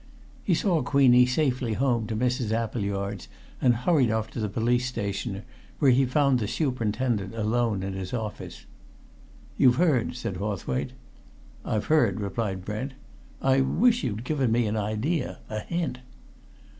He saw Queenie safely home to Mrs. Appleyard's and hurried off to the police station, where he found the superintendent alone in his office. "You've heard?" said Hawthwaite. "I've heard," replied Brent. "I wish you'd given me an idea a hint."